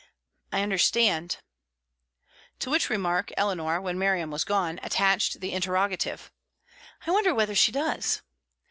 "I understand." To which remark Eleanor, when Miriam was gone, attached the interrogative, "I wonder whether she does?"